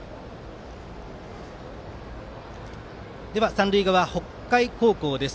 三塁側、北海高校です。